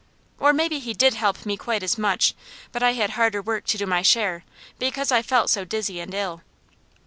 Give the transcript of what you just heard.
Or maybe He did help me quite as much, but I had harder work to do my share, because I felt so dizzy and ill.